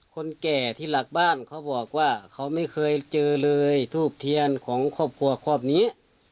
คนแก่ที่หลักบ้านเขาบอกว่าเขาไม่เคยเจอเลยทูบเทียนของครอบครัวครอบครัวนี้